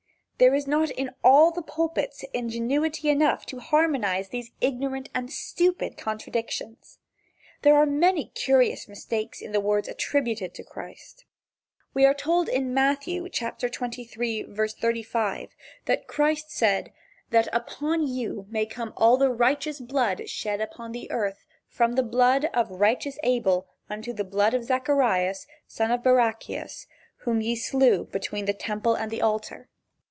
There is not in all the pulpits ingenuity enough to harmonize these ignorant and stupid contradictions. There are many curious mistakes in the words attributed to Christ. We are told in Matthew, chapter xxiii, verse 35, that Christ said: "That upon you may come all the righteous blood shed upon the earth from the blood of righteous Abel unto the blood of Zacharias, son of Barachias, whom ye slew between the temple and the altar."